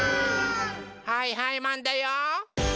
はいはいマンだよ！